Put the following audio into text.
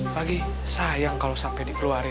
pagi sayang kalau sampai dikeluarin